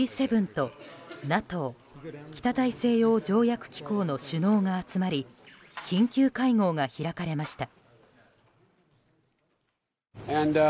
Ｇ７とＮＡＴＯ・北大西洋条約機構の首脳が集まり緊急会合が開かれました。